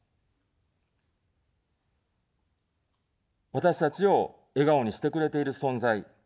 私たちを笑顔にしてくれている存在。